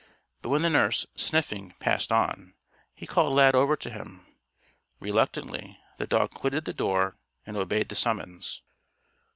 But when the nurse, sniffing, passed on, he called Lad over to him. Reluctantly, the dog quitted the door and obeyed the summons.